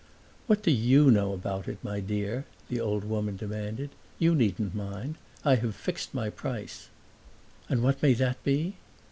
"What do YOU know about it, my dear?" the old woman demanded. "You needn't mind. I have fixed my price." "And what may that be?"